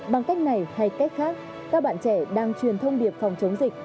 bằng cách này hay cách khác các bạn trẻ đang truyền thông điệp phòng chống dịch